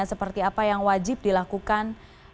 seperti apa yang wajib dilakukan